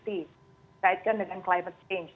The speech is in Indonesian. dikaitkan dengan perubahan klinik